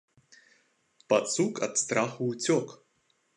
Пацук ад страху ўцёк.